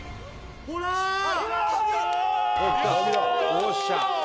よっしゃ。